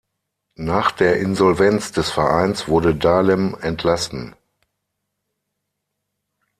Nach der Insolvenz des Vereins wurde Dahlem entlassen.